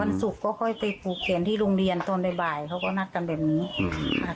ศุกร์ก็ค่อยไปผูกแขนที่โรงเรียนตอนบ่ายเขาก็นัดกันแบบนี้อืมค่ะ